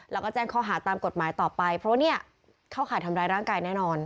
แล้วก็แจ้งข้อหาตามกฎหมายต่อไปเพราะว่าเนี่ยเข้าข่ายทำร้ายร่างกายแน่นอน